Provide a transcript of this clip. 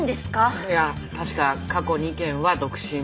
いや確か過去２件は独身女性